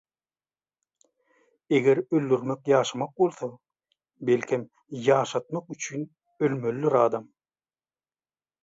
Eger öldürmek ýaşamak bolsa, belkem ýaşatmak üçin ölmelidir adam.